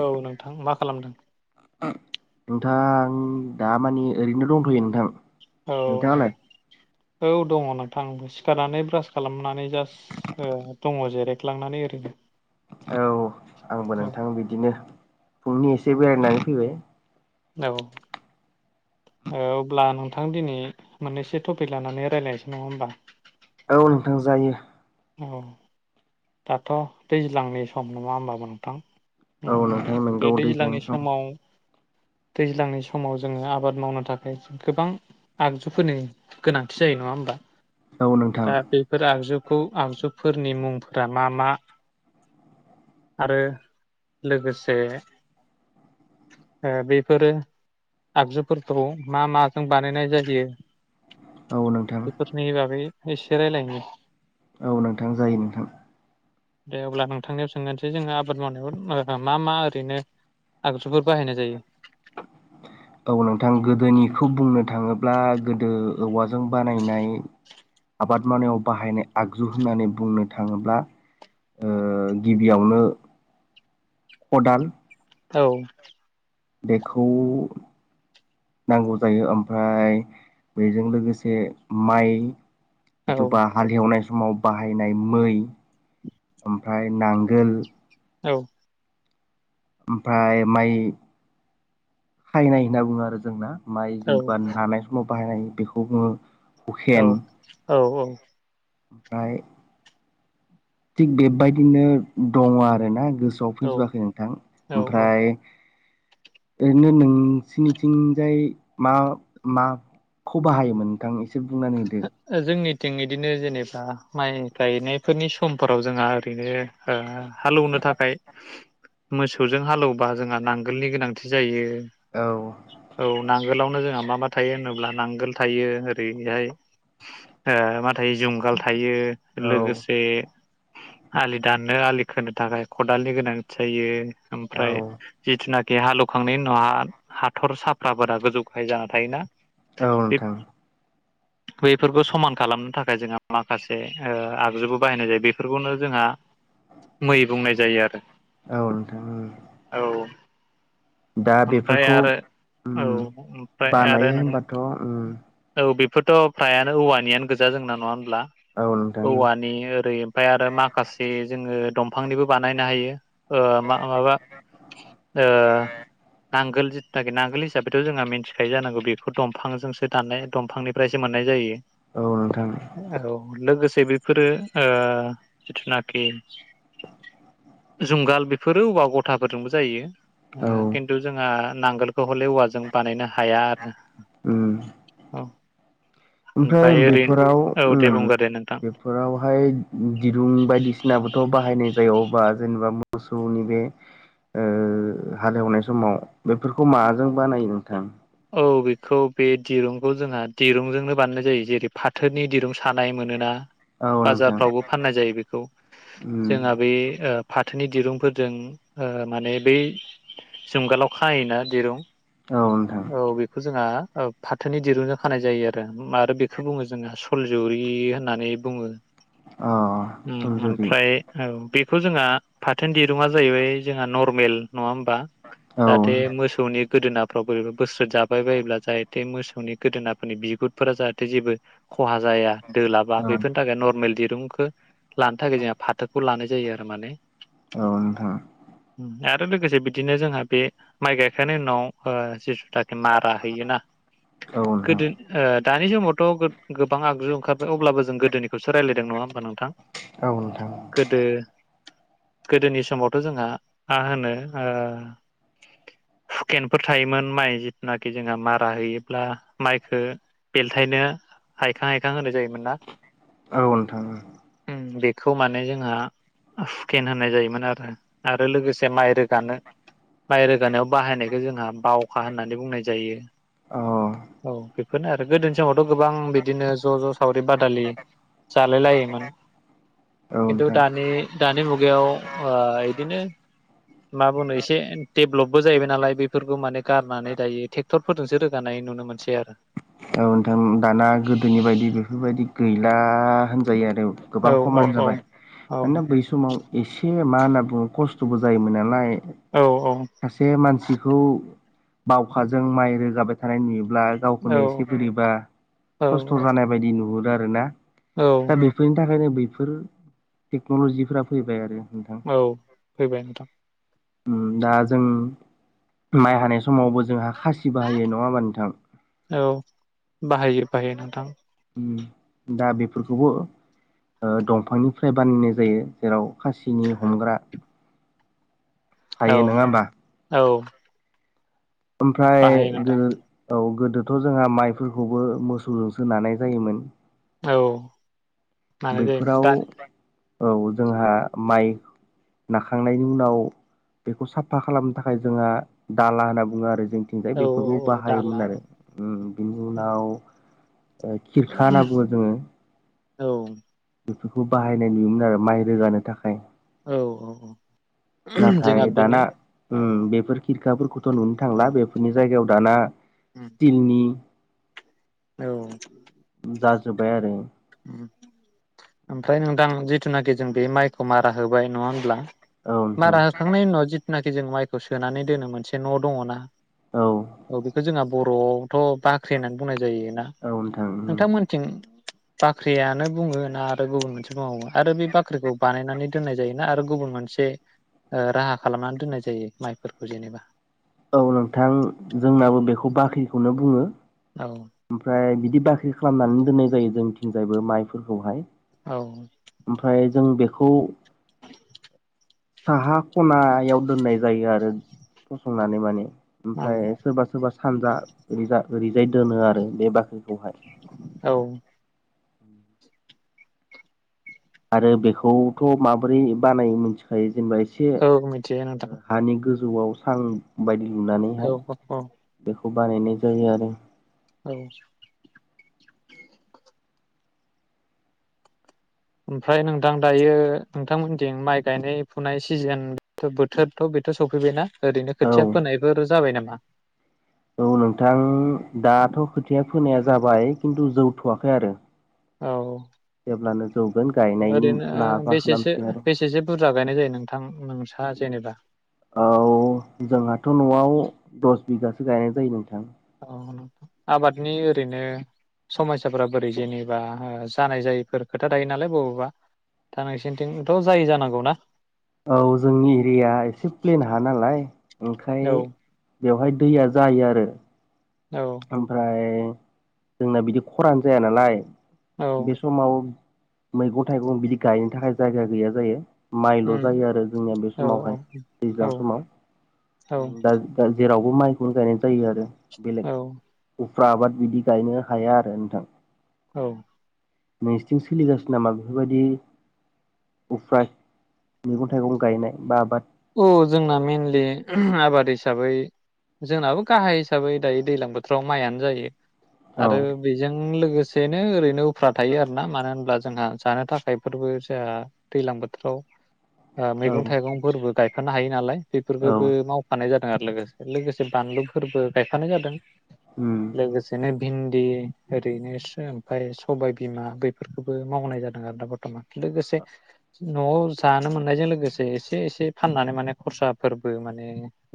औ नोंथां मा खालामदों नोंथां दा माने ओरैनो दंथयो नोंथां। औ नोंथाङालाय? औ दङ' नोंथांबो सिखारनानै ब्रास खालामनानै जास्ट दङ' जेरेखलांनानै ओरैनो। औ आंबो नोंथां बिदिनो फुंनि एसे बेरायनानै फैबाय औ औ अब्ला नोंथां दिनै मोननैसो टपिक लानानै रायज्लायनोसै नङा होनोमबा। औ नोंथां जायो। औ दाथ' दैज्लांनि सम नङा होमबा नोंथां। औ उम नोंथाय बे नोंगौ दैज्लांनि सम समाव दैज्लांनि समाव जोङो आबाद मावनो थाखाय गोबां आगजुफोरनि गोनांथि जायो नङा होमबा? औ नोंथां दा बेफोर आगजु खौ आगजुफोरनि मुंफोरा मा मा आरो लोगोसे ओ बेफोरो आगजुफोरखौ मा मा जों बानायनाय जायो औ नोंथां बेफोरनि बागै एसे रायलायनि औ नोंथां जायो नोंथां दे अब्ला नोंथांनियाव सोंनोसै जोङो आबाद मावनायाव मा मा ओरैनो आगजुफोर बाहायनाय जायो? औ नोंथां गोदोनिखौ बुंनो थाङोब्ला गोदो औवाजों बानायनाय आबाद मावनायाव बाहायनाय आगजु होननानै बुंनो थाङोब्ला ओ गिबियावनो खदाल औ बेखौ नांगौ जायो ओमफ्राय बेजों लोगोसे माइ औ जिथ'बा हाल एवनाय समाव बाहायनाय मै ओमफ्राय नांगोल औ ओमफ्राय माइ खायनाय होनना बुङो आरो जोंना माइ जेनेबा नानाय समाव बाहायनाय बेखौ बुङो औ हुखेन औ औ [inaudible] ओमफ्राय थिग बेबायदिनो दङ आरो गोस सोआव औ फैजोबाखै नोंथां औ ओमफ्राय ओरैनो नोंसिनिथिंजाय मा माखौ बाहायोमोन नोंथां एस से बुंनानै होदो थिं बिदिनो जेनेबा माइ गायनायफोरनि समफोराव जोंहा ओरैनो ओ हालौनो थाखाय मोसौजों हालौबा जोंहा नांगोलनि गोनांथि जायो। औ औ नां गोलावनो जोंहा मा मक थायो होनोब्ला नांगोल थायो ओरैहाय ओ मा थायो जुंगाल था थायो औ लोगोसे आलि दाननो आलि खोनो थाखाय खदालनि गोनांथि जायो ओमफ्राय औ जिथुनाख बे हालौखांनायनि उनावहा हाथर साफ्राफोरा गोजौ गाहाय जाना थायोना औ बे नोंथां। बैफोरखौ समान खालामनो थाखाय जोंहा माखासे ओ आगजुबो बाहायनाय जायो बेफोरखौनो जोंहा मै बुंनाय जायो आरो। औ नोंथां उम। औ दा ओमफ्राय बेफोरखौ आरो उम औ ओमफ्राय आरो बानायो नों होनबाथ उम [unintelligible] फ्रायानो औवानियानो गोजा जोंना नङा होमब्ला? औ नोंथां औवानि ओरै ओमफाय आरो माखासे जोङो दंफांनिबो बानायनो हायो। ओ मा माबा ओ नांगोल [unintelligible] नांगोल हिसाबैथ जोंहा मिन्थिखायो जानांगौ बेखौ दंफांजोंसो दाननाय दंफांनिफ्राय सो मोननाय जायो। औ नोंथां औ लोगोस से बेफोरो ओ जिथुनाखि जुंगाल बेफोरो औवा गथाफोरजोंबो जायो। औ ओ खिन्थु जोंहा नांगोलखौ हले औवाजों बानायनो हा हाया आरो उम औ। ओमफ्राय बेफोराव औ दे उम बुंगोर दे नोंथां बेफोरावहाय दिरुं बायदिसिनाबोथ बाहायनाय जायो अबा जेनेबा मोसौनि बे ओ हालेवनाय समाव बेफोरखौ माजों बानायो नोंथां? औ बेखौ बे दिरुंखौ जोंहा दिरुंजोंनो बानायनाय जायो जेरै फाथोनि दिरुं सानाय मोनोना औ नोंथां बाजारफ्रावबो फाननाय जायो बेखौ उम जोंहा बे ओ फाथ थोनि दिरुंफोरजों ओ माने बै जुंगालाव खायोना दिरुं औ नोंथां औ बेखौ जोंहा ओ फाथोनि दिरुंजों खानाय जायो आरो। [unintelligible] बेखौ बुङो जोङो फुलजौरि होननानै बुङो। अ ओम सनजुरि ओमफ्राय औ बे [unintelligible] जोंहा फाथोनि दिर रुंआ जाहैबाय जोंहा नद [unintelligible] नङा होमबा औ जाहाथे मोसौनि गोदोनाफ्राव बोर बोस जाबाय बायोब्ला जाहाथे मोसौ नि गोदोनाफोरनि बिगुतफोरा जाहाथे जेबो खहा जाया। दोलाबा औ बेफोरनि थाखाय नरमेल दिर दुंखो लानो थाखाय जोंहा फाथोखौ लानाय जायो आरो माने। औ नोथां आरो लोगोसे बिदिनो जोंहा बे माइ गायखांनायनि उनाव ओ जिस जाथे मारा होयोना औ नोंथां गोदो ओ दानि समावथ' गोग गोबां आगजु ओंखारबाय अब्लाबो जों गोदोनिखौसो रायलायदों नङा होमबा नोंथां? औ नोंथां गोदो गोदोनि समावथ' जोंहा मा होनो ओ हुखेन। फोर थायोमोन माइ जिथुनाखि जोंहा मारा हैयोब्ला माइखौ बेलथायनो हायखां हायखां होनाय जायोमोन। मेनना औ नोंथां उम बे। खौ माने जोंहा हुखेन होन्नाय जायोमोन आरो आरो लोगोसे माइ रोगानो माइ रोगानायाव बाहायनाय जे जोंहा बावखा होननानै बुंनाय जायो औ बेफोरनो आरो। गोदो [unintelligible] त गोबां बिदिनो ज जस सावरि बादालि। जालाय लायोमोन किन्थु नोंथां दानि दानि मुगायाव हवा इदिनो मा बुंनो एसे देबलपबो जाहैबाय नालाय बेफ फोरबो माने गारनानै दायो थेक्टरफोरजोंसो रो जानाय नुनो मोनसै आरो। औ नोंथां दा आ होनजायो‌ आरो गोबां औ कमन औ जाबाय औ मानोना बै समाव एसे ए मा होनना बुङो खस्थबो जायोमोन नालाय। औ सासे मानसिखौ बावखाजों माइ रो जाबाय थानाय [unintelligible] ना औ गावखौनो एसे [unintelligible] बोरैबा औ खस्थ' जानाय बायदि नुहुरो आर [unintelligible] औ दा बेफोरनि थाखायनो बै फोरो टेक्नलजिफोरा फैबाय आरो। नोंथां औ फैबाय नोंथां। उम दा जों माइ हानाय समावबो जोंहा खासि बाहायो नङा होमबा नोंथां। औ बाहायो बाहायो नोंथां। उम दा बेफोरखौबो ओ दंफांनिफ्राय बानायनाय जायो जेराव खासिनि हमग्रा औ थायो नङा होमबा औ। ओमफ्राय बाहायो नोंथां गोदो औ गो गोदोथ जोंहा माइफोरखौबो मोसौजोंसो नानाय जायोमोन। औ। मानाय जायोमोन बैफोराव दा औ जोंहा माइ नाखांनायनि उनाव बेखौ साफा खालामनो थाखाय जोंहा दाला होनना बुङो आरो जोंथिंजाय औ बेफोरखौ औ दाला बाहायोमोन आरो उम बिनि उनाव ओ खिरखा होनना बुङो जोङो। औ। बेफोरखौ बाहायनाय नुयोमोन आरो माइ रोगानो थाखाय। औ जोंहा नाथाय दाना बेनि औ उम बेफोर खिर [unintelligible] नुनो थांला औ बेफोरनि जायगायाव दाना स्टिलनि जाजोबबाय आरो। उम ओमफ्राय नोंथां जिथुनाखि जों बे माइखौ मारा होबाय नङा होनब्ला। औ नोंथां मारा होखांनायनि उनाव जि जिनाखि जों माइखौ सोनानै दोनो मोनसे न दङ ना औ बेखौ जोंहा बर' बर'आवथ बाख्रि होननानै बुंनाय जा जायोना औ नोंथां नोंथांमोनथिं बाख्रियानो बुंङो ना दा गुबुन मोनसे मावो। आरो बे बाख्रिखौ बानायनानै दोननाय जायोना आरो गुबुन मोनसे ओ राहा खालामनानै दोननाय जायो माइफोरखौ जेनेबा औ नोंथां जोंनाबो बेखौ बाख्रिखौनो बुङो। औ ओमफ्राय बिदि बाख्रि खालामनानै दोननाय जायो जोंथिंजायबो माइफोरखौहाय औ। ओमफ्राय जों बेखौ साहा खनायाव दोननाय जायो आरो फसंनानै माने। ओमफ्राय औ सोरबा सोरबा सो सानजा ओरैज ओरैजाय दोनो आरो आरो बे बाख्रिखौहाय औ आरो बेखौथ माबोरै बानाय मोनथिखायो जेनेबा एसे औ मिथियो नोंथां हानि जौआव सान बायदि औ [unintelligible] खौ बानायनाय जायो आरो औ ओमफ्राय नोंथां दायो नोंथांमोनथिं माइ गायनाय फुनाय सिजोन बोथोरथ बेथ सफैबायना ओरैनो खोथिया औ फोनायफोर जाबाय नामा बा औ नोंथां दाथ खोथाया फोनाया जाबाय खिन्थु जौथवाखै आरो औ अब्लानो जौगोन गायनायनि ओरैनो लाहफा बेसेसो खालामसै आरो बेसेसो बुरजा गायनाय जायो नोंथां नोंस्रा जेनेबा औ जोंहाथ नआव दस बिगासो गायनाय जायो नोंथां औ नोंथां आबादनि ओरैनो समयसाफोरा बोरै जेनेबा जानाय जायैफोर खोथा थायो नालाय बबेबा थानोंसिंथ जायै जानांगौना औ जोंनि एरिया एसे प्लेन हा नालाय ओंखाय औ बेवहाय दैया जायो आरो औ ओमफ्राय जोंना बिदि खरानो जाया नालाय औ बे सम माव मैगं थाइगं बिदि गायनो थाखाय जायगा गैया जायो। माइल उम जायो आरो जोंनिया बे औ समावहाय औ दैज्लां समाव औ ओम दा दास जेरावबो माइखौनो गायनाय जायो आरो बेलेग औ उफ्रा आबाद बिदि गायनो हाया आरो नोंथां औ नोंसिथिं सोलिगासिनो नामा बेफोरबायदि उफ्रा मैगं थाइगं गायनाय बा आबाद औ जोंना मइेनलि आबाद हिसाबै जोंनाबो गाहाय हिसाबै दायो दैज्लां बोथोराव मायानो जायो। औ आरो बेजों लोगोसेनो ओरैनो फ्रा थायो आरोना मानो होनोबब्ला जोंहा जानो थाखायफोरबो जोहा दैलां बोथोराव ओ औ मैगं थाइगंफोरबो गायफानो हायो नालाय। औ बेफोरखोबो मावफानाय जाद आरो लोगोस-लोगोसे बानलुफोरबो गायफानाय जादों। उम लोगोसेनो बिन दि ओरैनोस्रो ओमफाय सबाय बिमा बेफोरखौबो मावनाय जादों आरोना बर्थमान। लोगोसे न'आव जानो मोननायजों लोगोसे एसे एसे। फाननानै माने खरसाफोरबो माने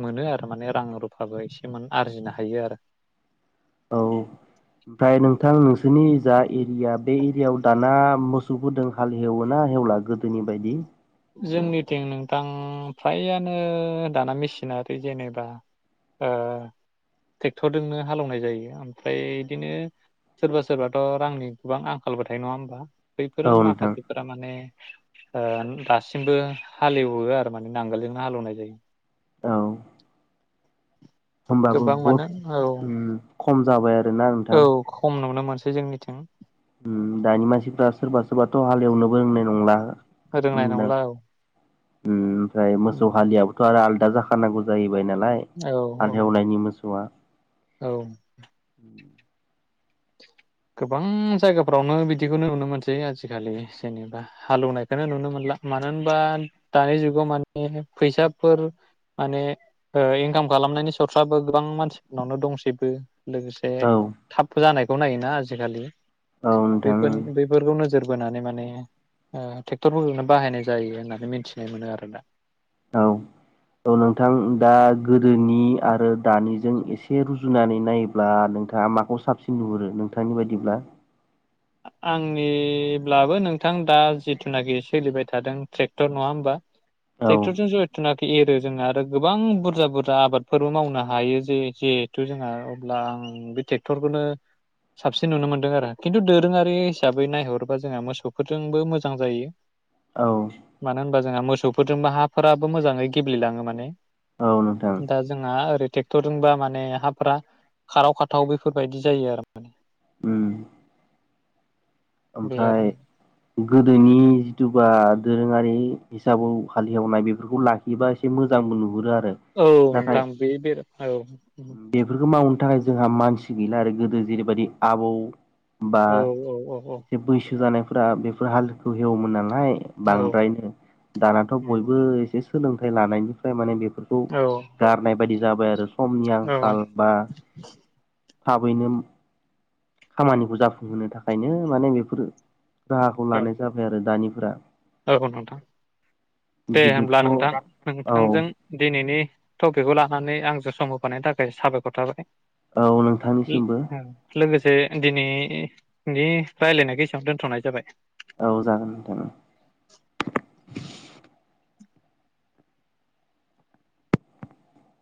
मोनो आरो माने रां रुफाबो एसे मोन-आरजिनो हायो आरो। औ ओमफ्राय नोंथां नोंसोनि जा इरिया बे इरियाव दाना मोसौफोरदों हाल हेवोना हेवला गोदोनि बायदि। जोंनिथिं नोंथां फ्रायानो दाना मेसिनारि जेनेबा ओ ट्रेक्टरदोंनो हालौनाय जायो ओमफ्राय इदिनो सोरबा सोरबाथ' रांनि गोबां आंखालबो थायो नङा होमबा। बैफोरो औ नोंथां माखासेफोरा माने ओ दा सिमबो हालेवो आरो माने नांगोलजोंनो हालौनाय जायो। औ। होमबाबो गोबां बथ मानो औ ओम खम जाबाय आर औ खम नुनो मोन सै जोंनिथिं। ओम दानि मानसिफ्रा सोरबा सोरबाथ' हाल एवनोबो रोंनाय नंला रोंनाय होनदो नंला औ ओम। दायो उम मोसौ हालियाबोथ' आरो आल दा जाखानांगौ जायो। फाय नालाय औ औ हाल हेवनायनि मोसौआ औ। गोबां जायगाफ्रावनो बिदिखौनो नुनो मोनसै आजिखालि जेनेबा हालौवनायखौ नुनो मोनला मानो होनबा दानि जुगाव माने फैसाफोर माने ओ इनकाम खालामनायनि सर्साबो गोबां मानसिफोरनावनो दंसैबो। लोगोसे औ थाब जानाय औ नायो ना जिखालि औ नोंथां बेफोन बेफोरखौनो नोजोर बोनानै माने ओ ट्रेक्टरफोरजोंनो बाहायनाय जायो होननानै मिथिनो मोनो आरो दा औ औ नोंथां दा गोदोनि आरो दानिजों एसे रुजुनानै नायोब्ला नोंथाङा माखौ साबसिन नुहुरो नोंथांनि बायदिब्ला आंनिब्लाबो नोंथां दा जिथुनाखि सोलिबाय थादों ट्रेक्टर नङा होमबा औ टेक्टरजों जरिटना एरो जोंङो आरो गोबां बुरजा बुरजा आबादफोरबो मावनो हायो जे जेहेथु जोंहा अब्ला आं बे ट्रेक्टरखौनो साबसिन नुनो मोनदों आरो खिन्थु दोरो दोरोङारि हिसाबै नायहरोबा जोंहा मोसौफोरजोंबो मोजां जायो औ मानो होनबा जोंहा मोसौफोरजोंबो हाफोराबो मोजाङै गेब्लेलाङो माने औ नोंथां दा जोंहा ओरै ट्रेक्टरजोंबा माने हाफोरा खाराव खाथाव बेफोरबायदि जायो आरो माने उम बे आरो ओमफ्राय गोदोनि जिथुुबा दोरोङारि हिसाबाव हाल एवनाय बेफोरखौ लाखियोबा एसे मोजांबो नुहुरो आरो औ नाथाय नोंथां बे बेर औ नो थाखाय जोंहा मानसि गैला आरो गोदो जेरैबायदि आबौ बा औ औ औ औ एसे बैसो जानायफोरा बेफोर हालदखौ एवोमोन नालाय औ बांद्रायनो दानाथ' बयबो एसे सु सोलोंथाइ लानायनिफ्राय माने बे फोरखौ औ गारनाय बायदि जाबाय आरो समनि आंखाल बा थाबैनो खामानिखौ जाफुंहोनो थाखायनो माने बेफोरो राहाखौ लानाय जाबाय आरो दानि फोरा औ नोंथां दे गोदोथ' हब्ला नोंथां औ नोंथांजों दिनैनि टपिकखौ लाना नानै आंजों सम होफानायनि थाखाय साबायखर थाबाय। औ नोंथांनिसिमबो से दिनै नि रायलायनायखौ एसेयावनो दोन्थनाय जाबाय औ जागोन नोंथां।